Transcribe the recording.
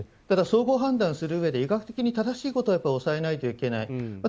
ただ、総合判断するうえで医学的に正しいことは押さえないといけない。